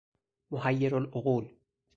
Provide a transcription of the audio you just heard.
محیر العقول